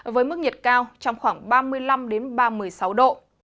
với mức nhiệt cao trong khoảng ba mươi năm ba mươi sáu độ